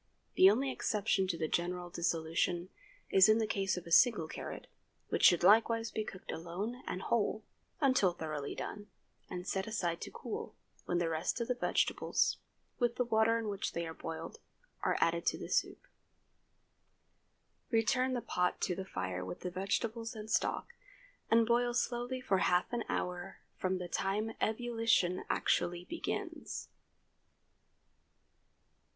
The only exception to the general dissolution, is in the case of a single carrot, which should likewise be cooked alone and whole, until thoroughly done, and set aside to cool, when the rest of the vegetables, with the water in which they were boiled, are added to the soup. Return the pot to the fire with the vegetables and stock, and boil slowly for half an hour from the time ebullition actually begins.